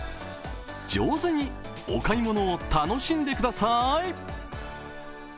上手にお買い物を楽しんでください。